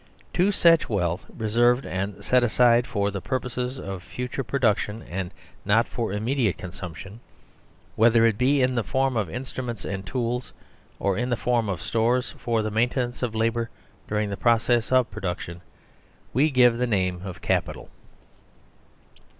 To such wealth reserved and set aside for the pur poses of future production, and not for immediate consumption, whether it be in the form of instru ments and tools, or in the form of stores for the main tenance of labour during the process of production, we give the name of Capital.